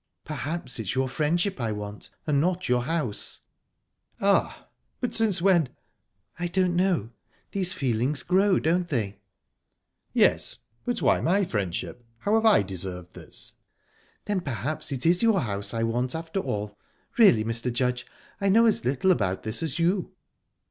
"Perhaps it's your friendship I want, and not your house." "Ah!...But since when..." "I don't know. These feelings grow, don't they?" "Yes...but why my friendship?...How have I deserved this?..." "Then perhaps it is your house I want, after all...Really, Mr. Judge, I know as little about this as you."